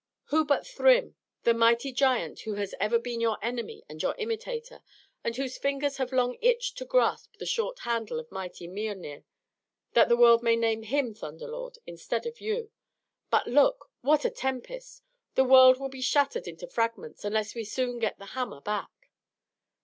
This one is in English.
Who but Thrym, the mighty giant who has ever been your enemy and your imitator, and whose fingers have long itched to grasp the short handle of mighty Miölnir, that the world may name him Thunder Lord instead of you. But look! What a tempest! The world will be shattered into fragments unless we soon get the hammer back."